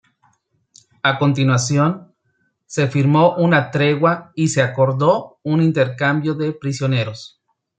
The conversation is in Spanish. A continuación, se firmó una tregua y se acordó un intercambio de prisioneros.